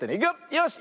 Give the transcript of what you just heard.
よし。